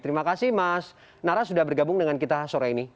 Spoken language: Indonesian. terima kasih mas nara sudah bergabung dengan kita sore ini